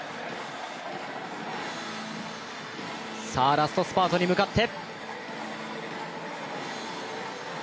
ラストスパートに向かって！